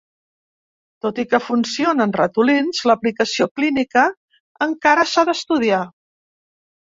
Tot i que funciona en ratolins, l’aplicació clínica encara s’ha d’estudiar.